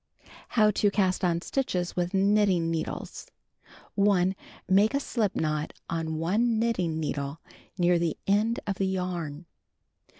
HOW TO CAST ON STITCHES WITH KNITTING NEEDLES 1. Make a slip knot on one knitting needle near the end of the varn.